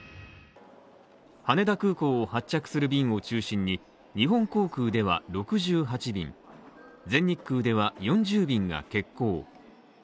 羽田空港を発着する便を中心に、日本航空では６８便、全日空では４０便が欠航。